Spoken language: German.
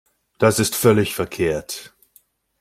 Das ist völlig verkehrt.